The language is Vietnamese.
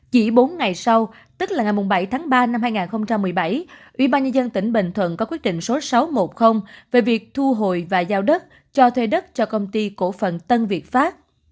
chỉ bốn ngày sau tức là ngày bảy tháng ba năm hai nghìn một mươi bảy ubnd tỉnh bình thuận có quyết định số sáu trăm một mươi về việc thu hồi và giao đất cho thuê đất cho công ty cổ phần tân việt pháp